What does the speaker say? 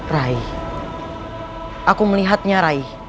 rai aku melihatnya rai